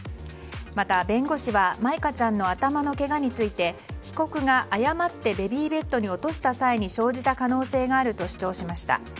また弁護士は舞香ちゃんの頭のけがについて被告が誤ってベビーベッドに落とした際に生じた可能性があると主張しました。